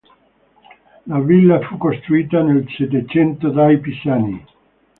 La villa fu costruita nel Settecento dai Pisani.